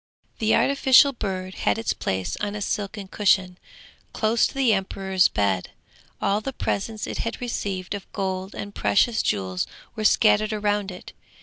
The artificial bird had its place on a silken cushion, close to the emperor's bed: all the presents it had received of gold and precious jewels were scattered round it.